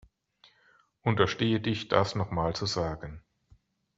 Unterstehe dich, das noch mal zu sagen!